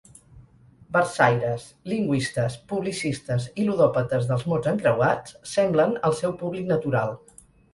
Versaires, lingüistes, publicistes i ludòpates dels mots encreuats semblen el seu públic natural.